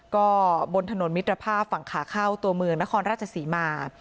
ก็บนถนนมิตรภาพฝั่งขาเข้าตัวเมืองนครราชศรีมา